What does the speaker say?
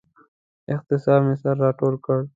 اعصاب مې سره راټول کړل.